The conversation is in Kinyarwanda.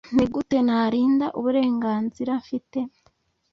ni gute narinda uburenganzira mfite